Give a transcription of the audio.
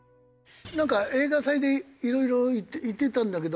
なんか映画祭でいろいろ行ってたんだけど。